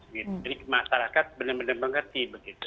jadi masyarakat benar benar mengerti